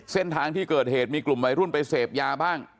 เส้นทางที่เกิดเหตุมีกลุ่มวัยรุ่นไปเสพยาบ้าง